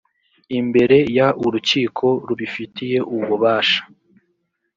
imbere y urukiko rubifitiye ububasha